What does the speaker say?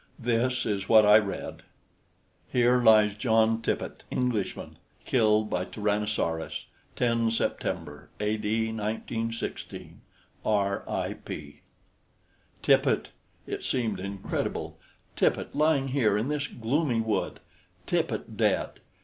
This is what I read: HERE LIES JOHN TIPPET ENGLISHMAN KILLED BY TYRANNOSAURUS 10 SEPT., A.D. 1916 R. I. P. Tippet! It seemed incredible. Tippet lying here in this gloomy wood! Tippet dead!